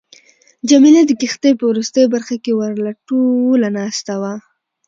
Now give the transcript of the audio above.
جميله د کښتۍ په وروستۍ برخه کې ورله ټوله ناسته وه.